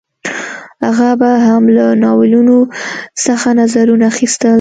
هغه به هم له ناولونو څخه نظرونه اخیستل